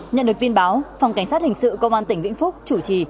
nhận được tin báo phòng cảnh sát hình sự công an tỉnh vĩnh phúc chủ trì